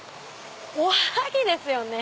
おはぎですよね